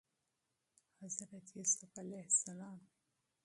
حضرت يوسف ع